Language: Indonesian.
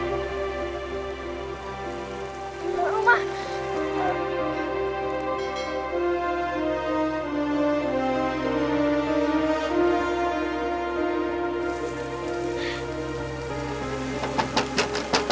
aku mau pak